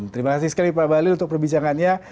terima kasih sekali pak balil untuk perbincangannya